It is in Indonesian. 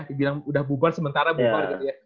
dibilang udah bubar sementara bubar gitu ya